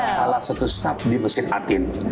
salah satu staf di mesin atin